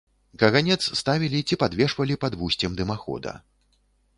Каганец ставілі ці падвешвалі пад вусцем дымахода.